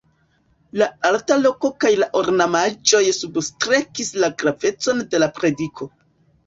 La alta loko kaj la ornamaĵoj substrekis la gravecon de la prediko.